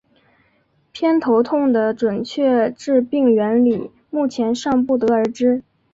偏头痛的准确致病原理目前尚不得而知。